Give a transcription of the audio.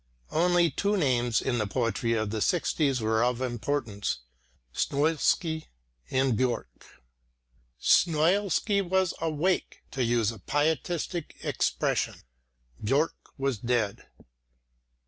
Only two names in the poetry of the sixties were of importance Snoilsky and Björck. Snoilsky was "awake," to use a pietistic expression, Björck was dead.